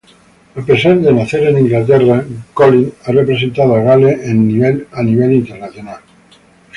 A pesar de nacer en Inglaterra, Collins ha representado a Gales en nivel internacional.